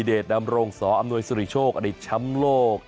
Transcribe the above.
เดชน์ดำโรงสออำนวยสุริโชคอดิษฐ์ชามโลก